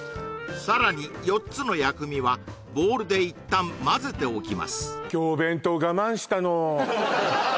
さらに４つの薬味はボウルで一旦まぜておきます